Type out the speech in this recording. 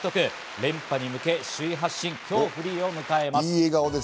連覇に向け首位発進、今日フリーを迎えます。